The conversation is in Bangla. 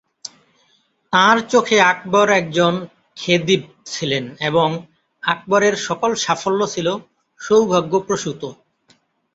তাঁর চোখে আকবর একজন ‘খেদিব’ ছিলেন এবং আকবরের সকল সাফল্য ছিল ‘সৌভাগ্যপ্রসূত’।